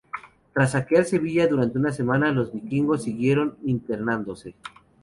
Tras saquear Sevilla durante una semana, los vikingos siguieron internándose.